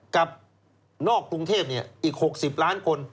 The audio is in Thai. กับนอกกรุงเทพอีก๖๐ล้านคน